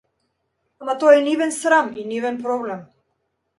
Ама тоа е нивен срам и нивен проблем.